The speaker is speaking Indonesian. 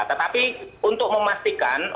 tetapi untuk memastikan untuk saat ini